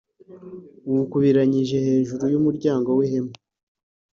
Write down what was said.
uwukubiranyirize hejuru y umuryango w ihema